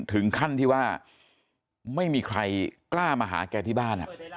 ถึงขั้นที่ว่าไม่มีใครกล้ามาหาแกที่บ้าน